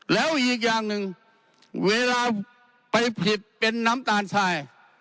แล้วอีกอย่างหนึ่งเวลาไปผิดเป็นน้ำตาลทราย